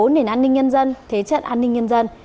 bốn nền an ninh nhân dân thế trận an ninh nhân dân